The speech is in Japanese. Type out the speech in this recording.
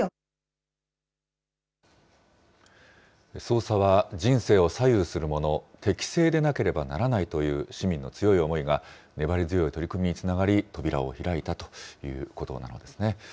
捜査は人生を左右するもの、適正でなければならないという市民の強い思いが粘り強い取り組みにつながり、扉を開いたということなのですね。